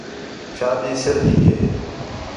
شادی سِر تی ہے